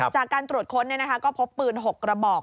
จากการตรวจค้นก็พบปืน๖กระบอก